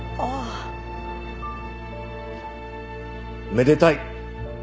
めでたい。